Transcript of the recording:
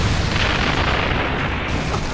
あっ！